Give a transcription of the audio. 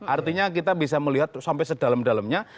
artinya kita bisa melihat sampai sedalem dalemnya